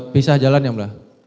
pisah jalan yang boleh